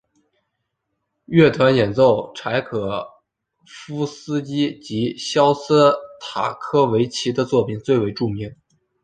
乐团演奏柴可夫斯基及肖斯塔科维奇的作品最为著名。